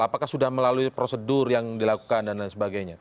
apakah sudah melalui prosedur yang dilakukan dan lain sebagainya